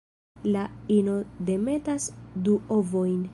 La ino demetas du ovojn.